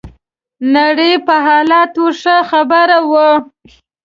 نړۍ په حالاتو ښه خبر وو.